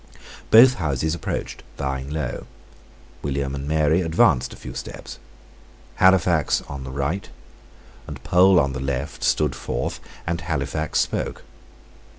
Both Houses approached bowing low. William and Mary advanced a few steps. Halifax on the right, and Powle on the left, stood forth; and Halifax spoke.